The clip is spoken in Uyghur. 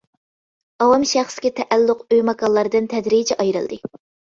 ئاۋام شەخسكە تەئەللۇق ئۆي-ماكانلاردىن تەدرىجىي ئايرىلدى.